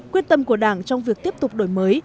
quyết tâm của đảng trong việc tiếp tục đổi mới